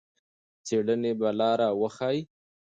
څېړنې به لار وښيي.